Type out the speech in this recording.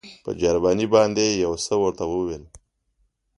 په جرمني باندې یې یو څه ورته وویل.